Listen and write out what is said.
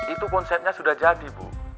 itu konsepnya sudah jadi bu